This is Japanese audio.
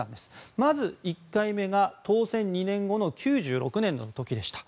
まず１回目が、当選２年後の９６年の時でした。